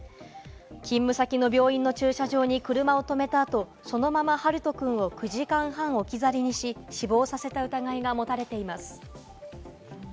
勤務先の病院の駐車場に車を停めた後、そのまま陽翔くんを９時間半置き去りにし、死亡させた疑いが持たれています。